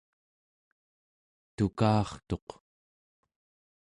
tuka'artuq